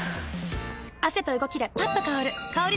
汗と動きでパッと香る香り